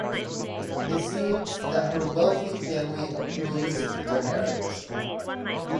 It seems that her wealthy family opposed the marriage.